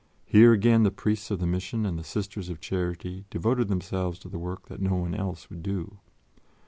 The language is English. Here, again, the Priests of the Mission and the Sisters of Charity devoted themselves to the work that no one else would do.